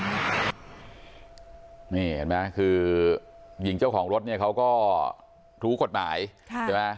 นี่เห็นไหมคือหญิงเจ้าของรถเนี่ยเขาก็รู้กฎหมายใช่ไหม